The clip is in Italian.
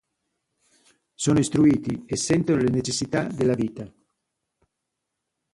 Sono istruiti e sentono le necessità della vita.